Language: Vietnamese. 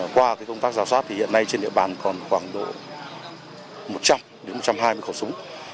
qua công tác giả soát thì hiện nay trên địa bàn còn khoảng độ một trăm linh một trăm hai mươi khẩu súng